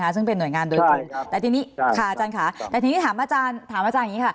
ซึ่งเป็นหน่วยงานโดยกรุงแต่ทีนี้ถามอาจารย์อย่างนี้ค่ะ